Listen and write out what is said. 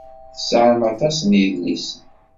Tesɛam aṭas n yidlisen.